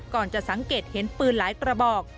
ก่อนจะสังเกตเห็นปืนหลายกระบอก